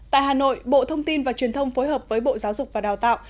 tại hà nội bộ thông tin và truyền thông phối hợp với bộ giáo dục và đào tạo